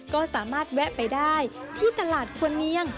ก็สามารถแวะไปได้ที่ตลาดควรเนียง